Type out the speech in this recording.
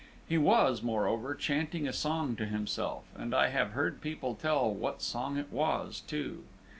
He was, moreover, chanting a song to himself, and I have heard people tell what song it was too.